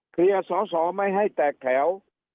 เคลียร์สอสอไม่ให้แตกแขวว